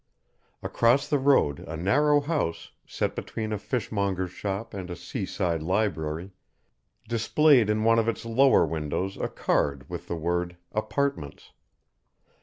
Across the road a narrow house, set between a fishmonger's shop and a sea side library, displayed in one of its lower windows a card with the word "Apartments."